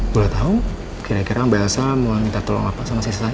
boleh tahu kira kira ma elsa mau minta tolong apa sama istri saya